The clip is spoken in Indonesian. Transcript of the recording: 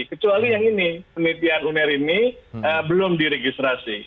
kecuali yang ini penelitian uner ini belum diregistrasi